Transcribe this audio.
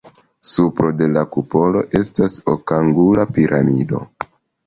Supro de la kupolo estas okangula piramido.